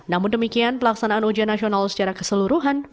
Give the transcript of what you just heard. namun demikian pelaksanaan ujian nasional secara keseluruhan